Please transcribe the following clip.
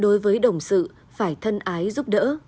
đối với đồng sự phải thân ái giúp đỡ